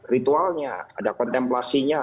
ritualnya ada kontemplasinya